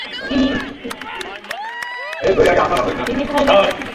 তিনি ভায়োলান্টকেই বেছে নেন।